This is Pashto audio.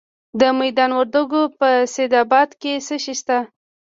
د میدان وردګو په سید اباد کې څه شی شته؟